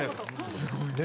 すごい。